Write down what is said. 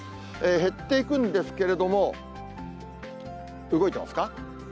減っていくんですけれども、動いてますか？